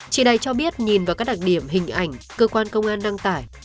chị đài cho biết nhìn vào các đặc điểm hình ảnh cơ quan công an đang tải